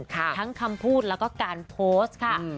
ทั้งคำพูดแล้วก็การโพสต์ค่ะ